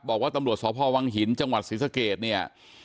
บอกว่าตำรวจสพวังหินจังหวัดศรีสเกตเนี่ย